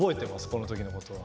この時のことは。